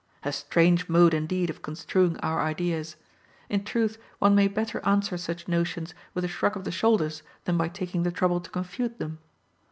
A strange mode indeed of construing our ideas! In truth, one may better answer such notions with a shrug of the shoulders than by taking the trouble to confute them.